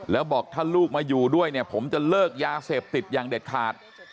แล้วบอกถ้าลูกมาอยู่ด้วยเนี่ยผมจะเลิกยาเสพติดอย่างเด็ดขาด